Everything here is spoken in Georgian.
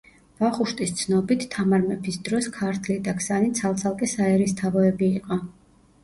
ვახუშტის ცნობით, თამარ მეფის დროს ქართლი და ქსანი ცალ-ცალკე საერისთავოები იყო.